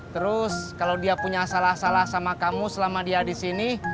terus kalau dia punya salah salah sama kamu selama dia di sini